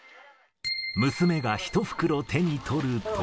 娘が１袋手に取ると。